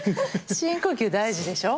深呼吸大事でしょ？